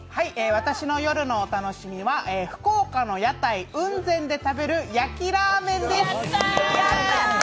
私の夜のお楽しみは福岡の屋台雲仙で食べる焼ラーメンです。